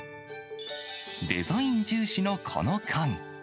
デザイン重視のこの缶。